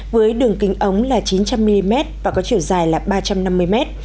với đường kính ống là chín trăm linh mm và có chiều dài là ba trăm năm mươi mét